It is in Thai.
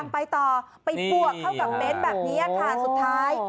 ไปต่อไปบวกเข้ากับเม้นต์แบบนี้ค่ะสุดท้าย